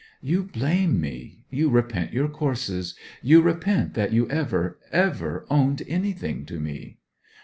'You blame me you repent your courses you repent that you ever, ever owned anything to me!'